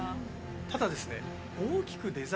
ただですね。